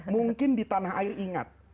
mungkin di tanah air ingat